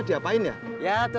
satu itu tak mungkin jelas bahwa